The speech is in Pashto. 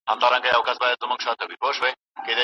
تعليم شوې نجونې شفافيت ساتي.